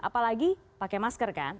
apalagi pakai masker kan